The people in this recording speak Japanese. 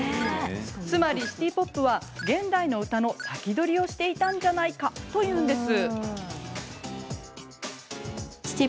つまり、シティ・ポップは現代の歌の先取りをしていたんじゃないかというんです。